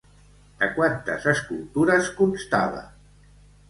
De quantes escultures constava?